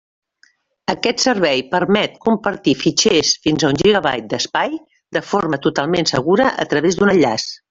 Aquest servei permet compartir fitxers fins a un gigabyte d'espai de forma totalment segura a través d'un enllaç.